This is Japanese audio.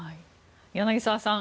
柳澤さん